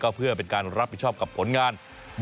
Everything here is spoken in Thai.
เพื่อเป็นการรับผิดชอบกับผลงาน